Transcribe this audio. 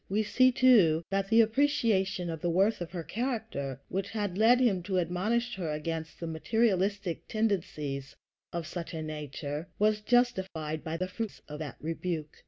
We see, too, that the appreciation of the worth of her character, which had led him to admonish her against the materialistic tendencies of such a nature, was justified by the fruits of that rebuke.